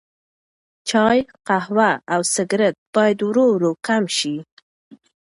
چای، قهوه او سګرټ باید ورو ورو کم شي.